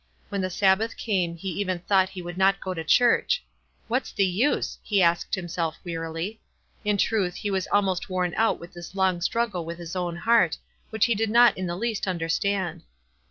When the Sabbath came he even thought he would not go to church. What's the use? h asked himself, wearily. In truth he was almosi worn out with this long struggle with his own © CO heart, which he did not in the least understand.